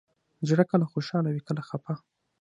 زړه کله خوشحاله وي، کله خفه.